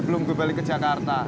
belum gue balik ke jakarta